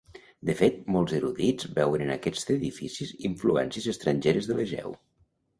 De fet, molts erudits veuen en aquests edificis influències estrangeres de l'Egeu.